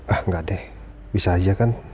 enggak deh bisa aja kan